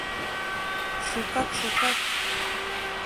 Шукак-шукак!